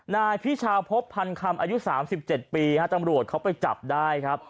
นายพิชาพบพันคำอายุ๓๗ปีตำรวจเขาไปจับได้ครับ